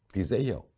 thì dễ hiểu